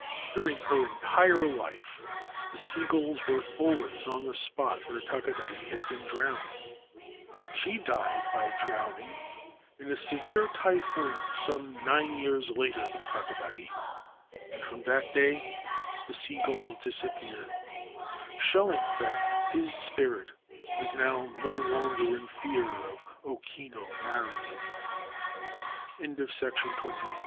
During her entire life the sea gulls were always on the spot where Takadai had been drowned. She died by drowning in a severe typhoon some nine years later than Takadai ; and from that day the sea gulls dis appeared, showing that his spirit was now no longer in fear of O Kinu